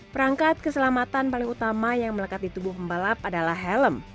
perangkat keselamatan paling utama yang melekat di tubuh pembalap adalah helm